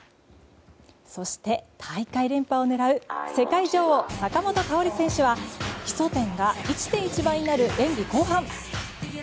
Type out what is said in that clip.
そして、大会連覇を狙う世界女王、坂本花織選手は基礎点が１．１倍になる演技後半。